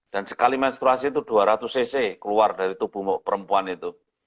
dan sekali menstruasi itu dua ratus cc keluar dari tubuh perempuan itu